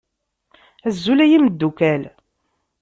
Azul ay imeddukkal